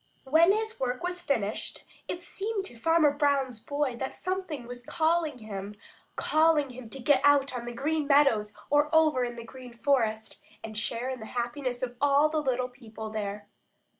When his work was finished, it seemed to Farmer Brown's boy that something was calling him, calling him to get out on the Green Meadows or over in the Green Forest and share in the happiness of all the little people there.